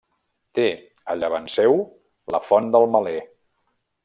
Té a llevant seu la Font del Meler.